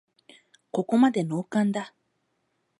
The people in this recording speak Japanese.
ここまでノーカンだ